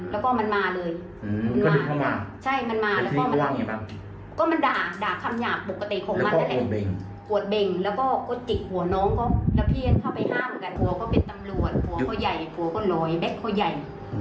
หัวก็เป็นตำรวจหัวเขาใหญ่หัวก็ลอยแบ๊กเขาใหญ่